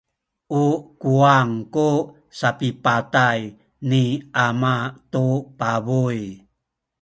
u kuwang ku sapipatay ni ama tu pabuy.